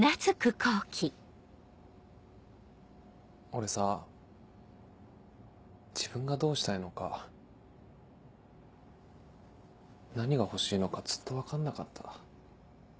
俺さぁ自分がどうしたいのか何が欲しいのかずっと分かんなかった。